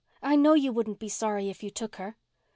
I know you wouldn't be sorry if you took her."